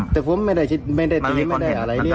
แต่ผมไม่ได้เตรียมไม่ได้อะไรเลย